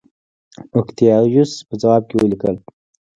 اوکتایوس په ځواب کې ولیکل